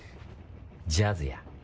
ジャズや。